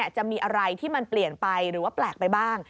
จะมีอะไรที่มันเปลี่ยนไปหรือว่าแปลกไปบ้าง